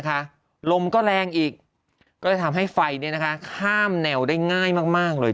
ลมก็แรงอีกก็เลยทำให้ไฟข้ามแนวได้ง่ายมากเลย